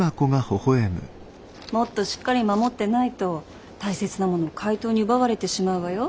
もっとしっかり守ってないと大切なもの怪盗に奪われてしまうわよ。